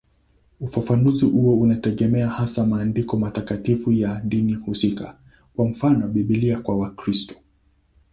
Ufafanuzi huo unategemea hasa maandiko matakatifu ya dini husika, kwa mfano Biblia kwa Wakristo.